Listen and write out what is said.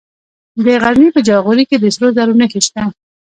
د غزني په جاغوري کې د سرو زرو نښې شته.